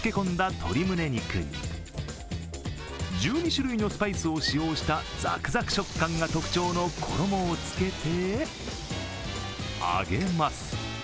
鶏むね肉に１２種類のスパイスを使用したザクザク食感が特徴の衣をつけて揚げます。